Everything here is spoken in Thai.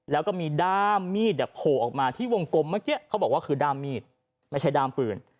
แล้วก็มีด้ามมีดโผล่ออกมาที่วงกลมเมื่อกี้เขาบอกว่าคือด้ามมีดไม่ใช่ด้ามปืน